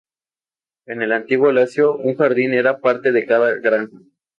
En el antiguo Lacio, un jardín era parte de cada granja.